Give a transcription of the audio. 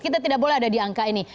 kita tidak boleh ada di angka ini